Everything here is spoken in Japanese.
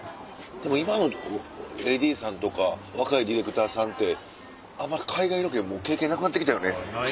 でも今のＡＤさんとか若いディレクターさんってあんまり海外ロケも経験なくなって来たよね。